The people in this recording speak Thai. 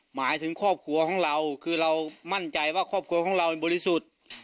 หมายถึงครอบครัวของเราคือเรามั่นใจว่าครอบครัวของเราบริสุทธิ์